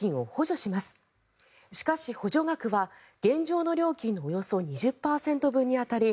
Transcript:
しかし、補助額は現状の料金のおよそ２０％分に当たり